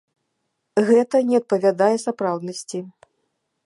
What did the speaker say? Гэта не адпавядае сапраўднасці.